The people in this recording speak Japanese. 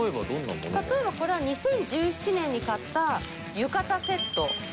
例えばこれは２０１７年に買った浴衣セット。